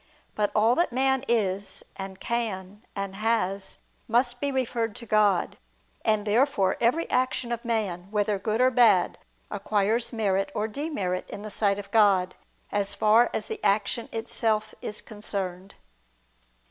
But all that man is, and can, and has, must be referred to God: and therefore every action of man, whether good or bad, acquires merit or demerit in the sight of God, as far as the action itself is concerned.